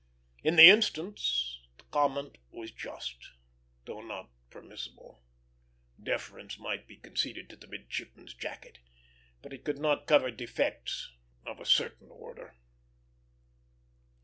In the instance the comment was just, though not permissible. Deference might be conceded to the midshipman's jacket, but it could not cover defects of a certain order.